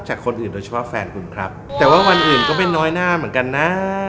คนอื่นโดยเฉพาะแฟนคุณครับแต่ว่าวันอื่นก็ไม่น้อยหน้าเหมือนกันนะ